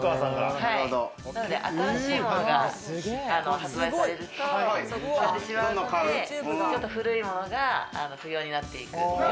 新しいものが発売されると即買ってしまうんで、ちょっと古いものが不要になっていく。